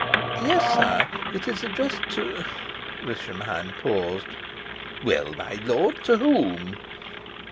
"Yes, sire. It is addressed to " Rischenheim paused. "Well, my lord, to whom?"